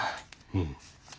うん。